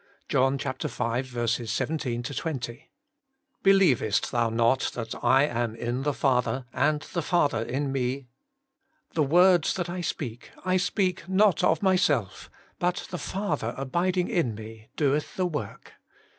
— John v. 17 20. * Believest thou not that I am in the Father, and the Father in Me? the words that I speak I speak not of Myself: but the Father abiding in Me doeth the work.'